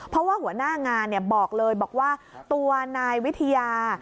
เพราะว่าหัวหน้างานบอกเลยบอกว่าตัวนายวิทยา